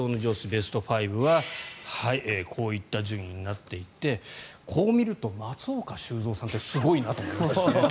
ベスト５はこういった順位になっていてこう見ると松岡修造さんってすごいなと思いますね。